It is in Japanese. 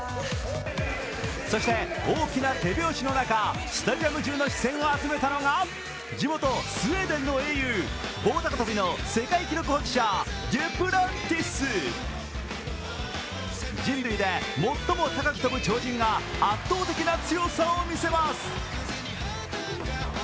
そして大きな手拍子の中、スタジアム中の視線を集めたのが地元・スウェーデンの英雄、棒高跳びの世界記録保持者、デュプランティス人類で最も高く跳ぶ鳥人が圧倒的な強さを見せます。